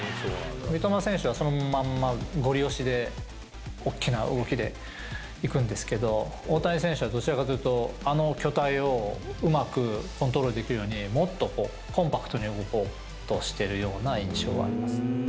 三笘選手はそのまんまごり押しで、大きな動きでいくんですけど、大谷選手はどちらかというと、あの巨体をうまくコントロールできるように、もっとコンパクトに動こうとしてるような印象はあります。